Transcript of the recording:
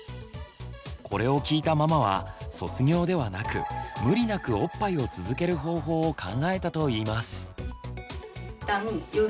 これを聞いたママは卒業ではなく無理なくおっぱいを続ける方法を考えたといいます。